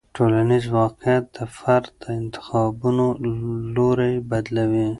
ټولنیز واقیعت د فرد د انتخابونو لوری بدلوي.